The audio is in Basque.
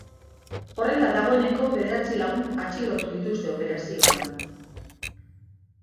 Horrela, dagoeneko bederatzi lagun atxilotu dituzte operazioan.